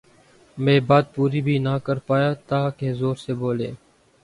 میں بات پوری بھی نہ کرپا یا تھا کہ زور سے بولے